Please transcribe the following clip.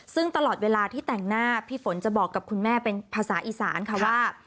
ซึ่งตลอดเวลาที่แต่งหน้าพี่ฝนจะบอกกับคุณแม่เป็นภาษาอีสานค่ะว่า